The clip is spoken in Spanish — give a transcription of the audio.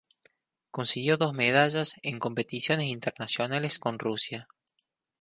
Consiguió dos medallas en competiciones internacionales con Rusia.